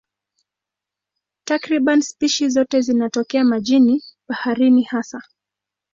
Takriban spishi zote zinatokea majini, baharini hasa.